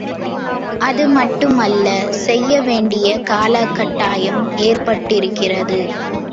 அதுமட்டுமல்ல செய்யவேண்டிய காலகட்டாயம் ஏற்பட்டிருக்கிறது.